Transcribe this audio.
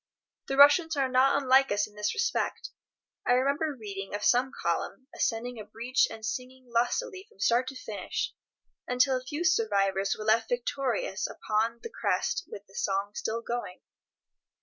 The Russians are not unlike us in this respect. I remember reading of some column ascending a breach and singing lustily from start to finish, until a few survivors were left victorious upon the crest with the song still going.